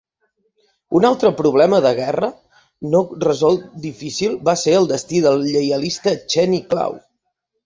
Un altre problema de guerra no resolt difícil va ser el destí del lleialista Cheney Clow.